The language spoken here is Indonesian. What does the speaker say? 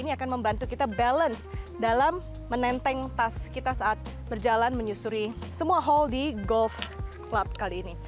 ini akan membantu kita balance dalam menenteng tas kita saat berjalan menyusuri semua hall di golf club kali ini